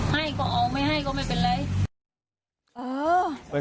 ให้ก็เอาไม่ให้ก็ไม่เป็นไร